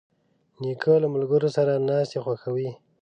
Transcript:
نیکه له ملګرو سره ناستې خوښوي.